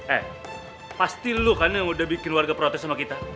eh pasti lu kan yang udah bikin warga protes sama kita